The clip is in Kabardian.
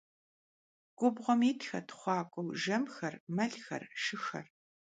Gubğuem yitxet xhuak'ueu jjemxer, melxer, şşıxer.